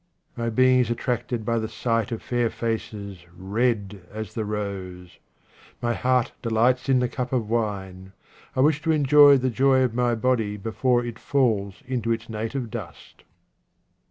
My being is attracted by the sight of fair faces red as the rose. My heart delights in the cup of wine. I wish to enjoy the joy of my body before it falls into its native dust.